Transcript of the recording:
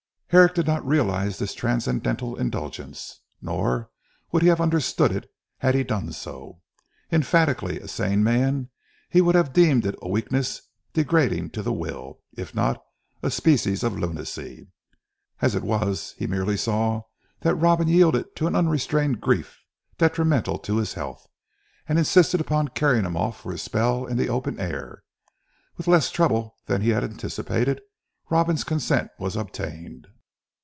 Herrick did not realize this transcendental indulgence, nor would he have understood it, had he done so. Emphatically a sane man, he would have deemed it a weakness degrading to the will, if not a species of lunacy. As it was, he merely saw that Robin yielded to an unrestrained grief detrimental to his health, and insisted upon carrying him off for a spell in the open air. With less trouble than he anticipated, Robin's consent was obtained.